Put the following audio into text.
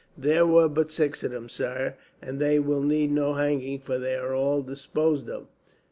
"There were but six of them, sire; and they will need no hanging, for they are all disposed of.